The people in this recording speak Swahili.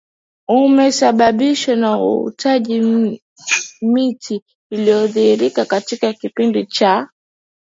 umesababishwa na ukwataji miti uliokithiri katika kipindi cha